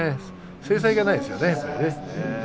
精彩がないですよね。